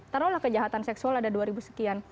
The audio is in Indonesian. taruhlah kejahatan seksual ada dua ribu sekian